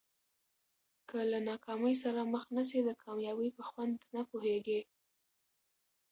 که له ناکامۍ سره مخ نه سې د کامیابۍ په خوند نه پوهېږې.